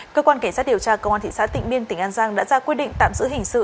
cơ quan cảnh sát điều tra công an thị xã tịnh biên tỉnh an giang đã ra quyết định tạm giữ hình sự